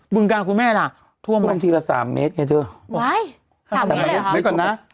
บุญการคุณแม่ล่ะท่วมบนที่ละสามเมตรไงเถอะไว้สามเมตรเลยหรอไว้ก่อนนะ